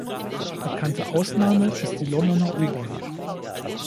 Bekannte Ausnahme ist die Londoner U-Bahn.